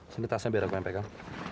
diadai tasnya biar aku ni pekak